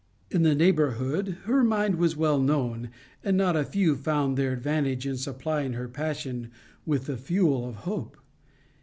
In the neighbourhood her mind was well known, and not a few found their advantage in supplying her passion with the fuel of hope.